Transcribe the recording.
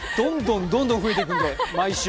どんどん増えていくので、毎週。